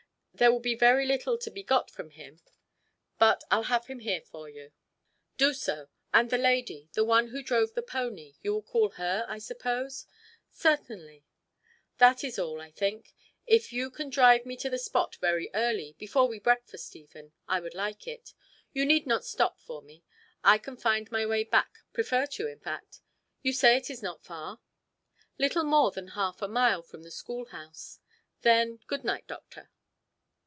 There will be very little to be got from him. But I'll have him here for you." "Do so. And the lady, the one who drove the pony; you will call her, I suppose?" "Certainly." "That is all, I think. If you can drive me to the spot very early, before we breakfast even, I would like it. You need not stop for me. I can find my way back, prefer to, in fact. You say it is not far?" "Little more than half a mile from the school house." "Then good night, doctor."